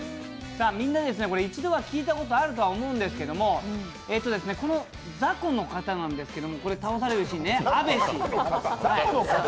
みんな、一度は聞いたことがあると思うんですけど、この雑魚の方なんですけど倒されるシーン、「あべし！！」